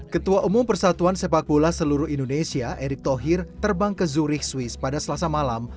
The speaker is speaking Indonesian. ketua umum persatuan sepak bola seluruh indonesia erick thohir terbang ke zurich swiss pada selasa malam